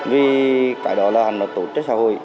vì cái đó là hành động tổ chức xã hội